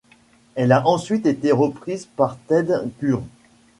Elle a ensuite été reprise par Ted Gurr.